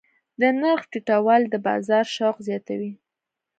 د نرخ ټیټوالی د بازار شوق زیاتوي.